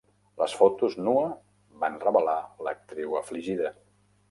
Les fotos nua van revelar l'actriu afligida.